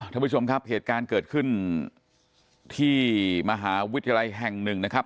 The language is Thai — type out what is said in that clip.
ท่านผู้ชมครับเหตุการณ์เกิดขึ้นที่มหาวิทยาลัยแห่งหนึ่งนะครับ